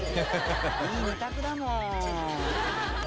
いい２択だもん。